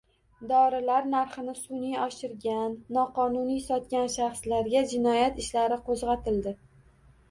Dorilar narxini sun’iy oshirgan, noqonuniy sotgan shaxslarga jinoyat ishlari qo‘zg‘atildi